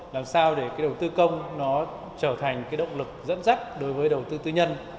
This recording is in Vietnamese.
làm sao để cái đầu tư công nó trở thành cái động lực dẫn dắt đối với đầu tư tư nhân